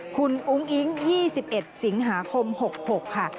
คุณอุ้งอิ๊ง๒๑สิงหาคม๖๖ค่ะ